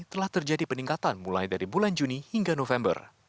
telah terjadi peningkatan mulai dari bulan juni hingga november